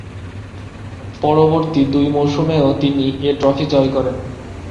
পরবর্তী দুই মৌসুমেও তিনি এ ট্রফি জয় করেন।